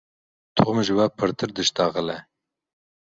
Tom ji we pirtir dişitexile.